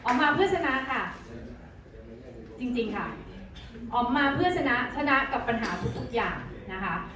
มาเพื่อชนะค่ะจริงจริงค่ะออกมาเพื่อชนะชนะกับปัญหาทุกอย่างนะคะ